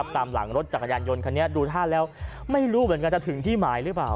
ตามหลังรถจักรยานยนต์คันนี้ดูท่าแล้วไม่รู้เหมือนกันจะถึงที่หมายหรือเปล่า